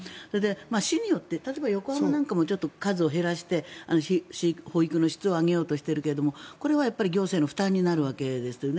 市によって例えば横浜なんかも数を減らして保育の質を上げようとしているがこれは行政の負担になるわけですよね。